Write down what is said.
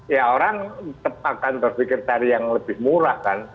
ya orang akan berpikir cari yang lebih murah kan